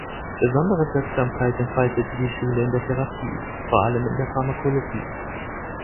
Besondere Wirksamkeit entfaltete die Schule in der Therapie, vor allem in der Pharmakologie.